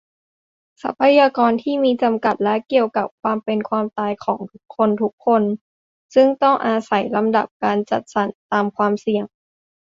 ทรัพยากรที่มีจำกัด และเกี่ยวกับความเป็นความตายของคนทุกคน ซึ่งต้องอาศัยลำดับการจัดสรรตามความเสี่ยง